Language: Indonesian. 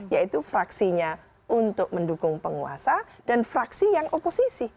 yaitu fraksinya untuk mendukung penguasa dan fraksi yang oposisi